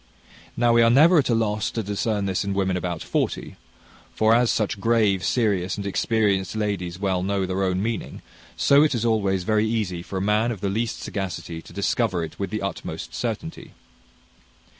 Now we are never at a loss to discern this in women about forty; for as such grave, serious, and experienced ladies well know their own meaning, so it is always very easy for a man of the least sagacity to discover it with the utmost certainty.